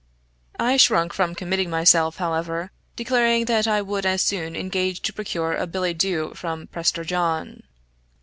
I shrunk from committing myself, however; declaring that I would as soon engage to procure a billet doux from Prester John.